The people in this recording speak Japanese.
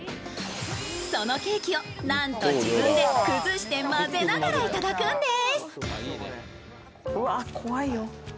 そのケーキを、なんと自分で崩して混ぜながら頂くんです。